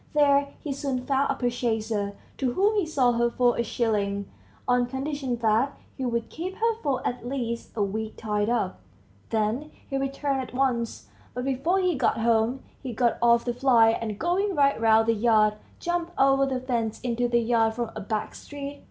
There he soon found a purchaser, to whom he sold her for a shilling, on condition that he would keep her for at least a week tied up; then he returned at once. But before he got home, he got off the fly, and going right round the yard, jumped over the fence into the yard from a back street.